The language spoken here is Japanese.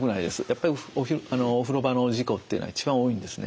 やっぱりお風呂場の事故っていうのは一番多いんですね。